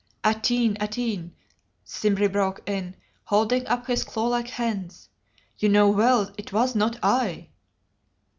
"Atene, Atene," Simbri broke in, holding up his claw like hands, "you know well it was not I."